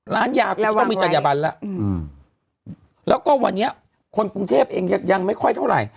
ร้านยากูต้องมีจัญญบันแล้วแล้วก็วันนี้คนกรุงเทพเองยังไม่ค่อยเท่าไหร่